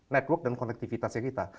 network dan konektivitasnya kita